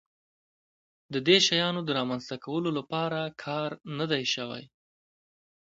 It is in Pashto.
د دې شیانو د رامنځته کولو لپاره کار نه دی شوی.